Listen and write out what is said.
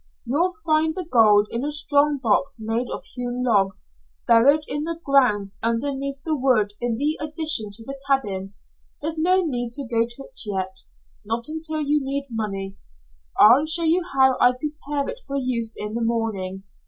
"You'll find the gold in a strong box made of hewn logs, buried in the ground underneath the wood in the addition to the cabin. There's no need to go to it yet, not until you need money. I'll show you how I prepare it for use, in the morning.